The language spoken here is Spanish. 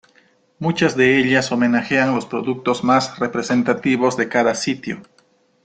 Muchas de ellas homenajean los productos más representativos de cada sitio.